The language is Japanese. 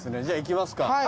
じゃあ行きますか。